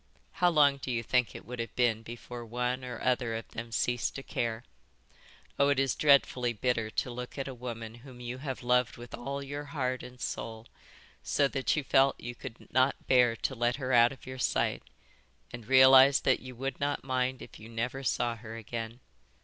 How long do you think it would have been before one or other of them ceased to care? Oh, it is dreadfully bitter to look at a woman whom you have loved with all your heart and soul, so that you felt you could not bear to let her out of your sight, and realise that you would not mind if you never saw her again.